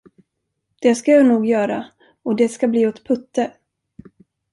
Det skall jag nog göra, och det skall bli åt Putte.